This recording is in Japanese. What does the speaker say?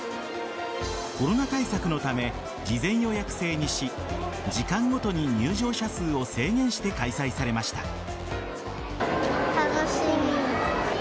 コロナ対策のため事前予約制にし時間ごとに入場者数を制限して開催されました。